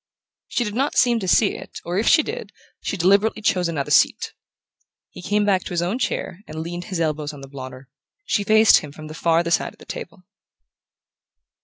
She did not seem to see it, or, if she did, she deliberately chose another seat. He came back to his own chair and leaned his elbows on the blotter. She faced him from the farther side of the table.